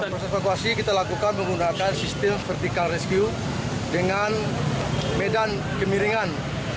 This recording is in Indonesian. proses evakuasi kita lakukan menggunakan sistem vertikal rescue dengan medan kemiringan